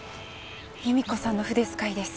由美子さんの筆遣いです。